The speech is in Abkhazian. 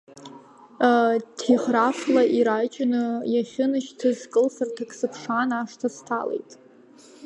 Ҭиграфла ираҷны иахьынашьҭыз кылсырҭак сыԥшаан, ашҭа сҭалеит.